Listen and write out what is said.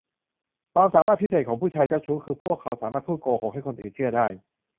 ความสามารถพิเศษของผู้ชายเจ้าชู้คือ พวกเขาสามารถพูดโกหกให้คนอื่นเชื่อได้